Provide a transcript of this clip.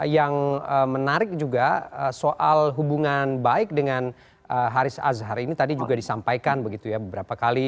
yang menarik juga soal hubungan baik dengan haris azhar ini tadi juga disampaikan begitu ya beberapa kali